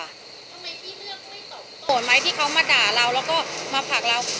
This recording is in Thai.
ทำไมพี่เลือกไม่ตอบโหดไหมที่เขามาด่าเราแล้วก็มาผลักเรา